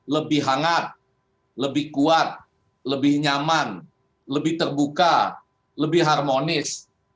lebih hangat lebih kuat lebih nyaman lebih terbuka lebih harmonis